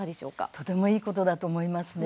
とてもいいことだと思いますね。